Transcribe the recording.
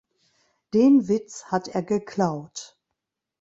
Den Witz hat er geklaut!